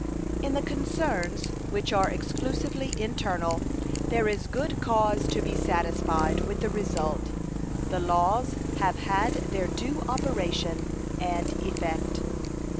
In the concerns which are exclusively internal there is good cause to be satisfied with the result. The laws have had their due operation and effect.